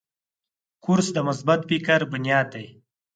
کورس د مثبت فکر بنیاد دی.